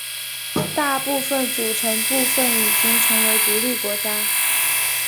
大部分组成部分已经成为独立国家。